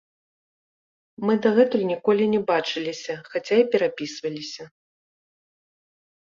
Мы дагэтуль ніколі не бачыліся, хаця і перапісваліся.